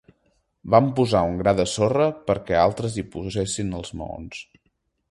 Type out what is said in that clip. Vam posar un gra de sorra perquè altres hi posessin els maons.